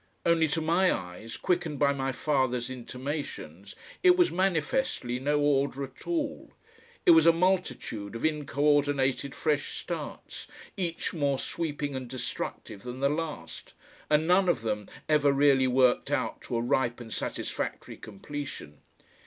Only to my eyes, quickened by my father's intimations, it was manifestly no order at all. It was a multitude of incoordinated fresh starts, each more sweeping and destructive than the last, and none of them ever really worked out to a ripe and satisfactory completion.